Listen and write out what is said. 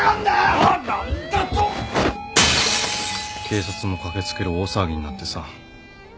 警察も駆け付ける大騒ぎになってさ。